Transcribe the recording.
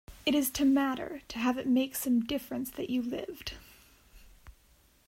It is to "matter," to have it make some difference that you lived.